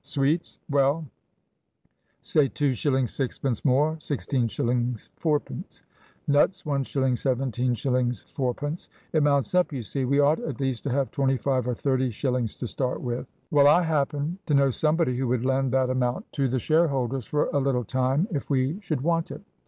Sweets? Well, say 2 shillings 6 pence more 16 shillings 4 pence. Nuts 1 shilling 17 shillings 4 pence. It mounts up, you see. We ought at least to have 25 or 30 shillings to start with. Well, I happen to know somebody who would lend that amount to the shareholders for a little time if we should want it.